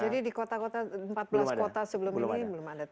jadi di kota kota empat belas kota sebelum ini belum ada tugu